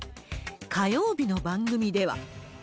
火曜日の番組では。